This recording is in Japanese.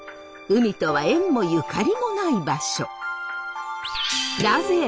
海とは縁もゆかりもない場所。